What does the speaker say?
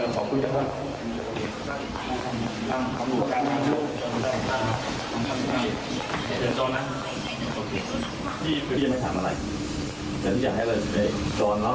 ก็เรื่องราวมันเกิดขึ้นคิดว่า